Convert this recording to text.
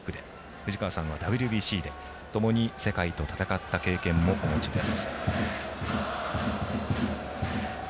藤川さんはＷＢＣでともに世界と戦った経験もお持ちです。